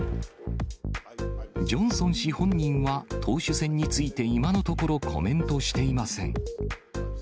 ジョンソン氏本人は、党首選について今のところ、コメントしていません。